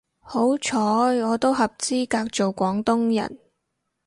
好彩我都合資格做廣東人